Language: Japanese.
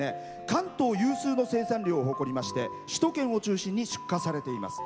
関東有数の生産量を誇りまして首都圏を中心に出荷されています。